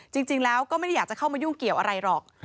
จริงแล้วก็ไม่ได้อยากจะเข้ามายุ่งเกี่ยวอะไรหรอก